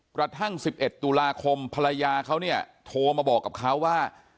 กระทั่ง๑๑ตุลาคมภรรยาเขาเนี่ยโทรมาบอกกับเขาว่า